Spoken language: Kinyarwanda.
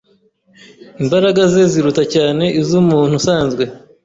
Imbaraga ze ziruta cyane iz'umuntu usanzwe.